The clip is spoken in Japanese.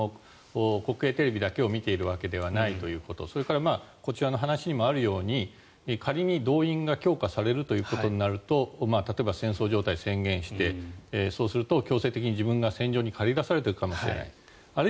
国営テレビだけを見ているわけではないということそれからこちらの話にもあるように仮に動員が強化されるということになると例えば戦争状態を宣言してそうすると強制的に自分が戦場に駆り出される可能性がある。